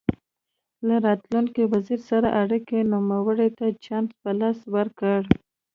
له راتلونکي وزیر سره اړیکو نوموړي ته چانس په لاس ورکړ.